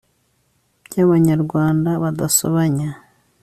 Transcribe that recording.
by'abanyarwanda badasobanya